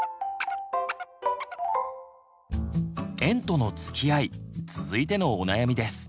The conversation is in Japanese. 「園とのつきあい」続いてのお悩みです。